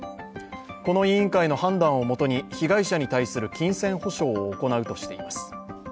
この委員会の判断をもとに被害者に対する金銭補償を行うとしています。